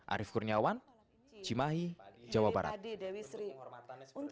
arief kurniawan cimahi jawa barat